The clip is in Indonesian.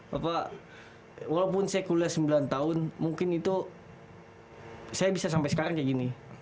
bapak walaupun saya kuliah sembilan tahun mungkin itu saya bisa sampai sekarang kayak gini